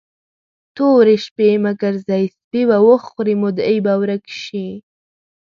تورې شپې مه ګرځئ؛ سپي به وخوري، مدعي به ورک شي.